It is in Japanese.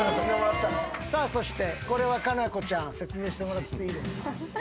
さあそしてこれは夏菜子ちゃん説明してもらっていいですか？